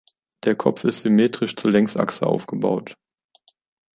Der Kopf ist symmetrisch zur Längsachse aufgebaut.